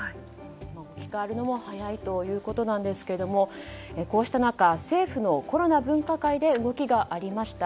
置き換わるのも早いということなんですがこうした中、政府のコロナ分科会で動きがありました。